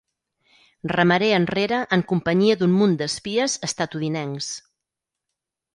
Remaré enrere en companyia d'un munt d'espies estatudinencs.